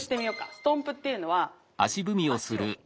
ストンプっていうのは足を。